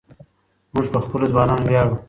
موږ په خپلو ځوانانو ویاړو.